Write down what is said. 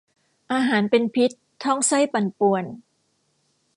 อาหารเป็นพิษ ท้องไส้ปั่นป่วน